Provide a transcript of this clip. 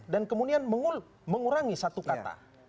dan kemudian mengurangi satu kata